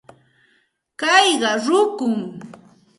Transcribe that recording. Kayqa rukum.